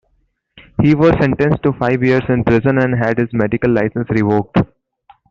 He was sentenced to five years in prison and had his medical license revoked.